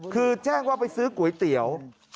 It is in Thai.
คือแจ้งว่าไปซื้อก๋วยเตี๋ยว